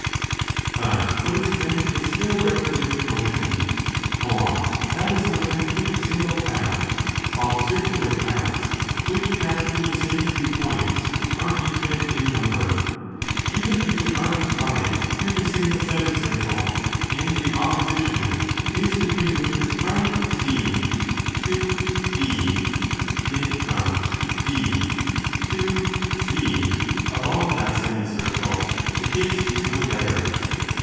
But what is meant is still rectilinear motion. For that is limited to a single path, while the circular paths which pass τὸ through the same two points are infinite innumber.2, Even if we are confined to the single semicircle and the opposition is between movement from C to D and from D to C along that semicircle, the case is no better.